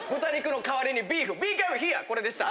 これでした！